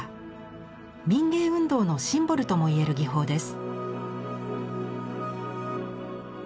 民藝運動のシンボルともいえる技法です。